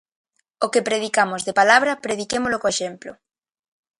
O que predicamos de palabra prediquémolo co exemplo.